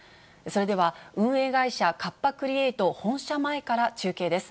それでは運営会社、カッパ・クリエイト本社前から中継です。